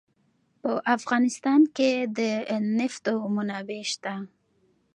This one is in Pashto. په افغانستان کې د نفت منابع شته.